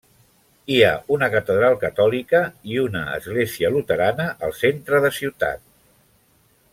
Hi ha una catedral catòlica i una església luterana al centre de ciutat.